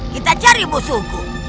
kita cari musuhku